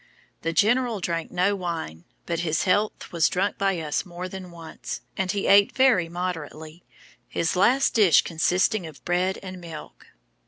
The General drank no wine, but his health was drunk by us more than once; and he ate very moderately; his last dish consisting of bread and milk."